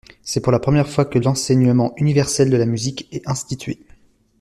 C'est pour la première fois que l'enseignement universel de la musique est institué.